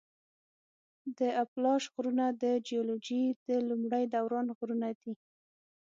د اپلاش غرونه د جیولوجي د لومړي دوران غرونه دي.